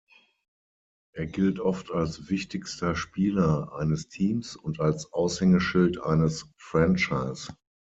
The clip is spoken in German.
Er gilt oft als wichtigster Spieler eines Teams und als Aushängeschild eines Franchise.